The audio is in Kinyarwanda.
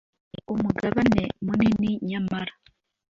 Umugabane munini nyamara